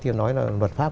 thì nói là luật pháp